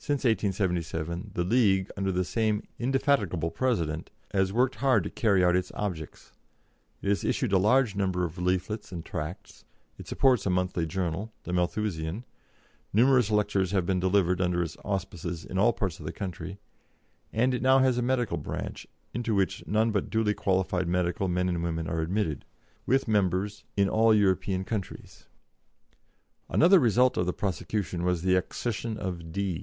Since 1877 the League, under the same indefatigable president, has worked hard to carry out its objects; it has issued a large number of leaflets and tracts; it supports a monthly journal, the Malthusian; numerous lectures have been delivered under its auspices in all parts of the country; and it has now a medical branch, into which none but duly qualified medical men and women are admitted, with members in all European countries. Another result of the prosecution was the accession of "D."